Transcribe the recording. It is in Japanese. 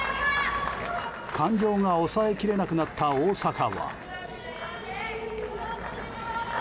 感情が抑えられなくなった大坂は。